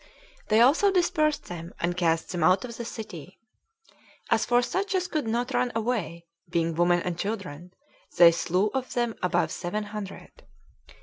They also dispersed them, and cast them out of the city. As for such as could not run away, being women and children, they slew of them above seven hundred.